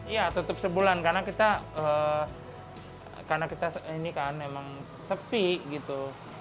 ya tutup sebulan karena kita ini kan memang sepi gitu